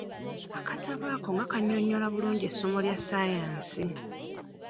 Akatabo ako nga kannyonnyola bulungi essomo lya saayansi!